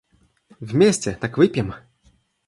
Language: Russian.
Вместе, так выпьем!